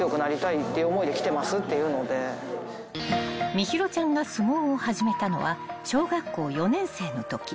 ［心優ちゃんが相撲を始めたのは小学校４年生のとき］